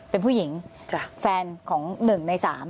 เป็นผู้หญิงแฟนของหนึ่งในสาม